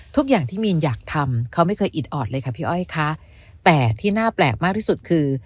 ทุกอย่างที่มีนอยากทำเขาไม่เคยอิดออดเลยค่ะพี่อ้อยค่ะแต่ที่น่าแปลกมากที่สุดคือ